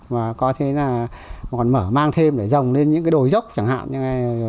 và có thể là còn mở mang thêm để dòng lên những cái đồi dốc chẳng hạn